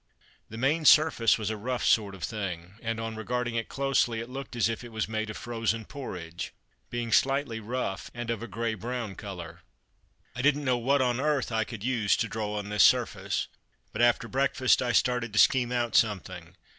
The main surface was a rough sort of thing, and, on regarding it closely, it looked as if it was made of frozen porridge, being slightly rough, and of a grey brown colour. I didn't know what on earth I could use to draw on this surface, but after breakfast I started to scheme out something.